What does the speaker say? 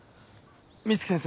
美月先生